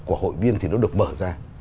của hội viên thì nó được mở ra